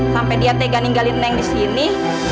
sampai dia tega ninggalin neng di sini